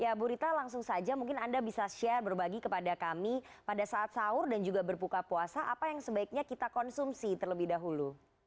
ya bu rita langsung saja mungkin anda bisa share berbagi kepada kami pada saat sahur dan juga berbuka puasa apa yang sebaiknya kita konsumsi terlebih dahulu